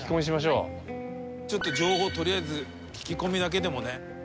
ちょっと情報とりあえず聞き込みだけでもね。